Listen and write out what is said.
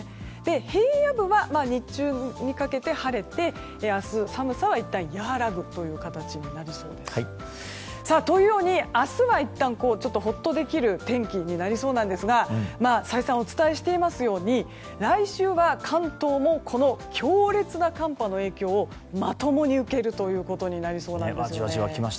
平野部は日中にかけて晴れて明日、寒さはいったん和らぐという形になりそうです。というように、明日はいったんほっとできる天気になりそうなんですが再三、お伝えしていますように来週は関東もこの強烈な寒波の影響をまともに受けることになりそうなんですね。